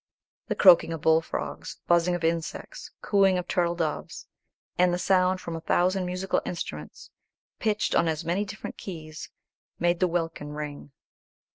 The croaking of bull frogs, buzzing of insects, cooing of turtle doves, and the sound from a thousand musical instruments, pitched on as many different keys, made the welkin ring.